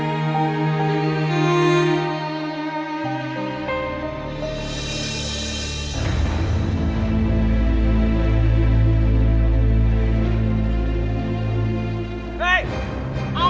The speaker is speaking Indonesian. aida buka pintu aida